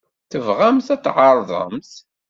Tebɣamt ad tɛerḍemt?